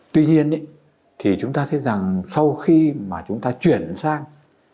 tuy nhiên thì chúng ta thấy rằng sau khi mà chúng ta chuyển sang